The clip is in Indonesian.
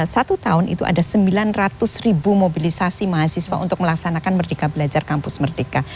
satu tahun itu ada sembilan ratus ribu mobilisasi mahasiswa untuk melaksanakan merdeka belajar kampus merdeka